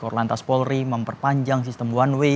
korlantas polri memperpanjang sistem one way